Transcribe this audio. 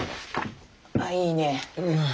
ああいいね。